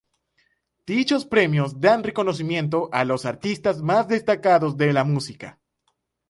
Dichos premios dan reconocimiento a los artistas más destacados de la música.